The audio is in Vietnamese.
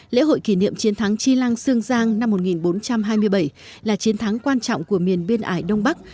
lễ hội kỷ niệm chiến thắng chi lăng sương giang năm một nghìn bốn trăm hai mươi bảy là chiến thắng quan trọng của miền biên ải đông bắc